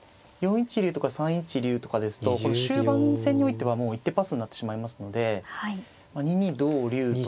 ４一竜とか３一竜とかですと終盤戦においては一手パスになってしまいますので２二同竜とかですね